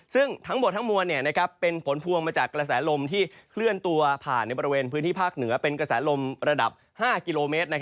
ซึ่งทั้งหมดทั้งมวลเป็นผลพวงมาจากกระแสลมที่เคลื่อนตัวผ่านในบริเวณพื้นที่ภาคเหนือเป็นกระแสลมระดับ๕กิโลเมตร